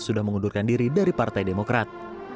sudah mengundurkan diri dari partai demokrat